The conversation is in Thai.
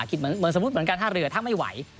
คิดเหมือนสมมติถ้าเรือไม่ไหว